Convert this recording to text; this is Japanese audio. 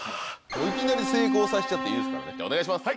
いきなり成功させちゃっていいですからねお願いします。